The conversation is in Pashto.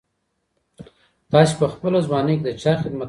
تاسي په خپله ځواني کي د چا خدمت کړی دی؟